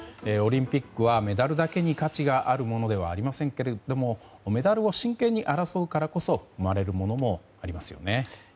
オリンピックはメダルだけに価値があるものではありませんけれどもメダルを真剣に争うからこそ生まれるものもありますよね。